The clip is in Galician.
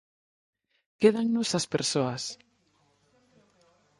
Quédannos as persoas.